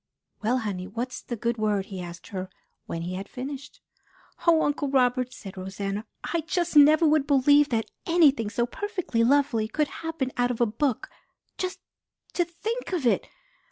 "Well, honey, what's the good word?" he asked her when he had finished. "Oh, Uncle Robert," said Rosanna, "I just never would believe that anything so perfectly lovely could happen out of a book. Just to think of it!